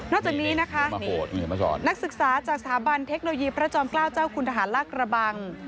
จากนี้นะคะนักศึกษาจากสถาบันเทคโนโลยีพระจอมเกล้าเจ้าคุณทหารลากระบัง